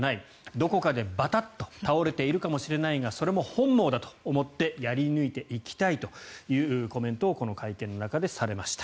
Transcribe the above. どこかでバタッと倒れているかもしれないがそれも本望だと思ってやり抜いていきたいというコメントをこの会見の中でされました。